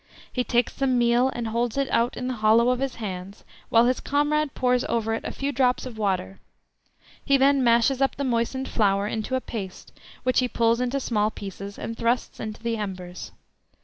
He takes some meal and holds it out in the hollow of his hands, whilst his comrade pours over it a few drops of water; he then mashes up the moistened flour into a paste, which he pulls into small pieces, and thrusts into the embers.